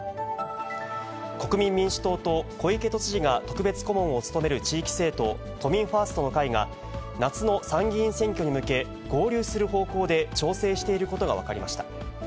国民民主党と、小池都知事が特別顧問を務める地域政党、都民ファーストの会が、夏の参議院選挙に向け、合流する方向で調整していることが分かりました。